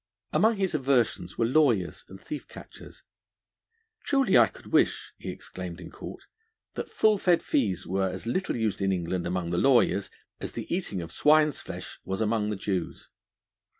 Among his aversions were lawyers and thief catchers. 'Truly I could wish,' he exclaimed in court, 'that full fed fees were as little used in England among lawyers as the eating of swine's flesh was among the Jews.'